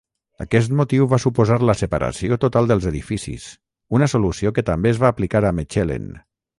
Aquest motiu va suposar la separació total dels edificis, una solució que també es va aplicar a Mechelen.